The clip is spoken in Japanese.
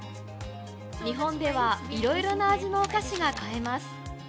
日本ではいろいろな味のお菓子が買えます。